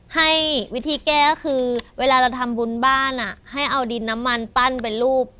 ให้วิธีแก้ก็คือเวลาเราทำบุญบ้านให้เอาดินน้ำมันปั้นเป็นรูป